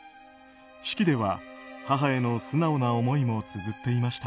手記では母への素直な思いもつづっていました。